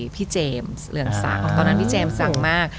พี่เจมส์เรืองสังตอนนั้นพี่เจมส์สั่งมาก